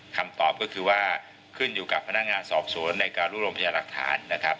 คำตอบก็คือว่าขึ้นอยู่กับพนักงานสอบสวนในการรวบรวมพยาหลักฐานนะครับ